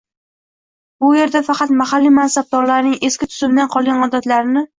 Bu yerda faqat mahalliy mansabdorlarning eski tuzumdan qolgan odatlarini